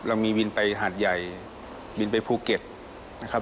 เรามีวินไปหาดใหญ่บินไปภูเก็ตนะครับ